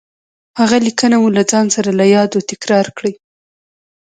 هغه ليکنه مو له ځان سره له يادو تکرار کړئ.